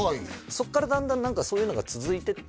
そっからだんだん何かそういうのが続いてって